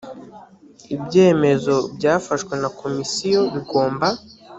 ibyemezo byafashwe na komisiyo bigomba